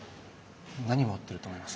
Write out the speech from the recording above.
何持ってると思います？